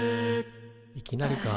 いきなりか。